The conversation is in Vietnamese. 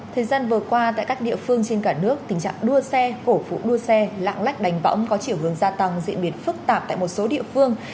thời gian vừa qua tại các địa phương trên cả nước tình trạng đua xe cổ phụ đua xe lạng lách đánh võng có chiều hướng gia tăng diễn biến phức tạp tại một số địa phương